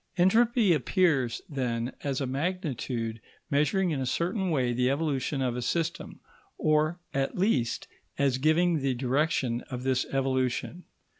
Entropy appears, then, as a magnitude measuring in a certain way the evolution of a system, or, at least, as giving the direction of this evolution.